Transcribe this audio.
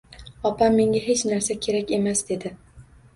Opam menga hech narsa kerakmas dedi.